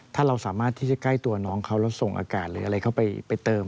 ถ้าเราสามารถที่จะใกล้ตัวน้องเขาแล้วส่งอากาศหรืออะไรเข้าไปเติม